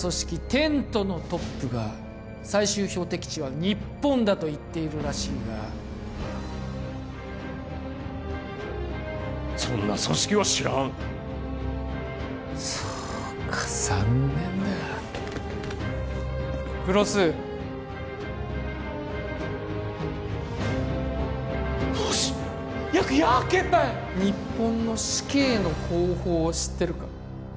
テントのトップが最終標的地は日本だと言っているらしいがそんな組織は知らんそうか残念だ黒須日本の死刑の方法を知ってるか？